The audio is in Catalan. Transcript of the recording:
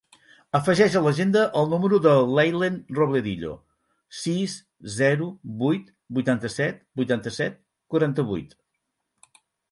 Afegeix a l'agenda el número de l'Aylen Robledillo: sis, zero, vuit, vuitanta-set, vuitanta-set, quaranta-vuit.